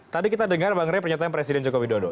tadi kita dengar bang ray pernyataan presiden joko widodo